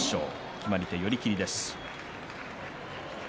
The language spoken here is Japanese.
決まり手、寄り切りです。